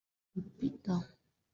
Alipata kura mia moja ishirini na sita